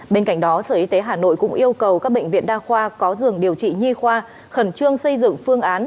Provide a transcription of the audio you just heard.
bên cạnh đó sở y tế hà nội cũng yêu cầu các bệnh viện đa khoa có giường điều trị nhi khoa khẩn trương xây dựng phương án